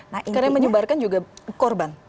karena menyebarkan juga korban